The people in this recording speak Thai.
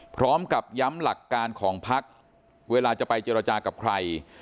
พร้อมกับย้ำหลักการของพักเวลาจะไปเจรจากับใคร